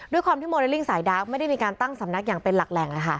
ด้วยความที่โมเดลลิ่งสายดาร์กไม่ได้มีการตั้งสำนักอย่างเป็นหลักแหล่ง